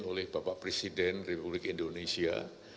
oleh bapak presiden republik indonesia